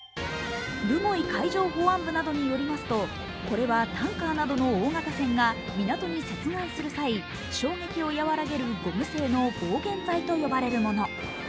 留萌海上保安部などによりますと、これはタンカーなどの大型船が港に接岸する際、衝撃を和らげるゴム製の防舷材と呼ばれるもの。